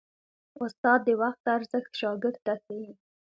استاد د وخت ارزښت شاګرد ته ښيي.